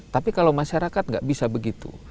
tapi kalau masyarakat nggak bisa begitu